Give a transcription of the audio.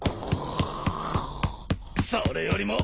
それよりも。